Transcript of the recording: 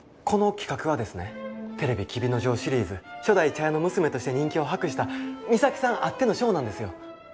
この企画はですねテレビ「黍之丞」シリーズ初代茶屋の娘として人気を博した美咲さんあってのショーなんですよ。